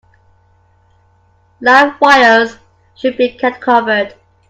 Live wires should be kept covered.